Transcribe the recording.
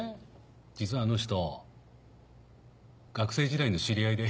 実はあの人学生時代の知り合いで。